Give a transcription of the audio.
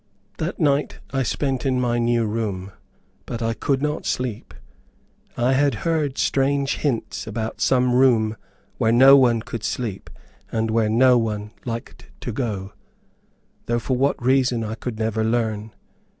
That night I spent in my new room; but I could not sleep. I had heard strange hints about some room where no one could sleep, and where no one liked to go, though for what reason I could never learn.